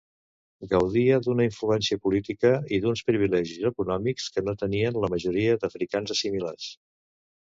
Gaudia d'una influència política i d'uns privilegis econòmics que no tenien la majoria d'africans assimilats.